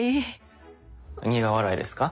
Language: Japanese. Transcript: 苦笑いですか？